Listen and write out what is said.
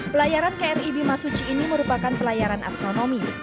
pelayaran kri bimasuci ini merupakan pelayaran astronomi